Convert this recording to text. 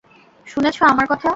শুনেছ আমার কথা?